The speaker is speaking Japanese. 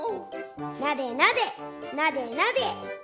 なでなでなでなで。